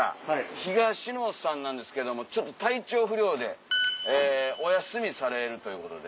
東野さんなんですけどもちょっと体調不良でお休みされるということで。